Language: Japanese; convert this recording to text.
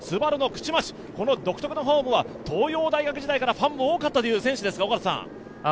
ＳＵＢＡＲＵの口町、この独特なフォームは東洋大学時代からファンも多かったという選手ですが？